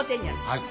はい。